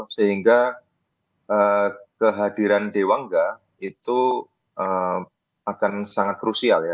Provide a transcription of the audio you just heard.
sehingga kehadiran dewangga itu akan sangat krusial ya